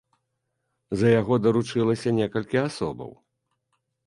За яго даручылася некалькі асобаў.